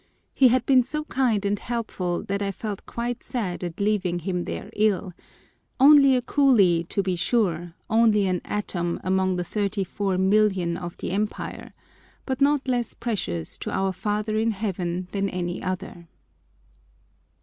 He had been so kind and helpful that I felt quite sad at leaving him there ill,—only a coolie, to be sure, only an atom among the 34,000,000 of the Empire, but not less precious to our Father in heaven than any other.